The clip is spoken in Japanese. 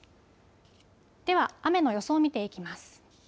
では雨の予想を見ていきます。